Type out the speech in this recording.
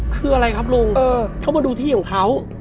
คืออะไรครับลุงเขามาดูที่ของเขา